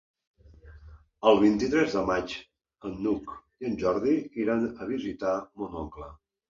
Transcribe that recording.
El vint-i-tres de maig n'Hug i en Jordi iran a visitar mon oncle.